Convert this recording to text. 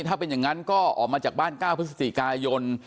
ถ้าเป็นอย่างนั้นก็ออกมาจากบ้าน๙พฤศจิกายน